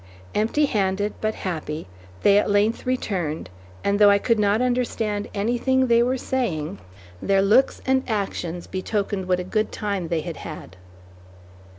Empty handed, but happy, they at length returned, and though I could not understand anything they were saying, their looks and actions betokened what a good time they had had.